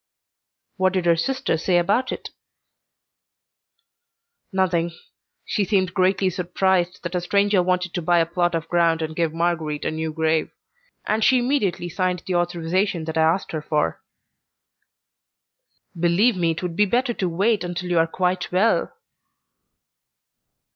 "What did her sister say about it?" "Nothing. She seemed greatly surprised that a stranger wanted to buy a plot of ground and give Marguerite a new grave, and she immediately signed the authorization that I asked her for." "Believe me, it would be better to wait until you are quite well."